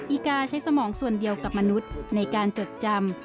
อีกาใช้สมองส่วนเดียวกับมนุษย์ในการจดจำ